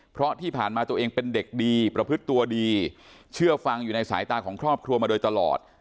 เพราะที่ผ่านมาตัวเองเป็นเด็กดีประพฤติตัวดีเชื่อฟังอยู่ในสายตาของครอบครัวมาโดยตลอด